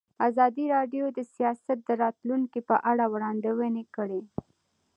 ازادي راډیو د سیاست د راتلونکې په اړه وړاندوینې کړې.